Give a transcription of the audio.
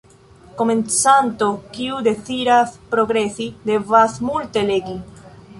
Komencanto, kiu deziras progresi, devas multe legi.